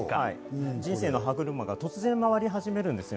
人生の歯車が突然、回り始めるんです。